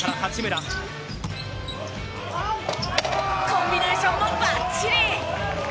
コンビネーションもバッチリ！